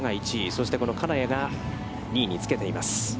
そして、この金谷が２位につけています。